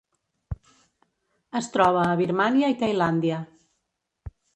Es troba a Birmània i Tailàndia.